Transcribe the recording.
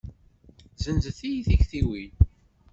Zenzent-iyi tektiwin.